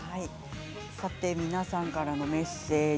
皆さんからのメッセージ。